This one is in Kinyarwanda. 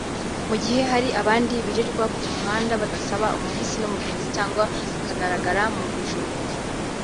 mu gihe hari abandi birirwa ku muhanda basaba umuhisi n’umugenzi cyangwa bakagaragara mu bujura